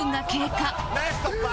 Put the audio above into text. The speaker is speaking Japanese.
ナイスストッパー。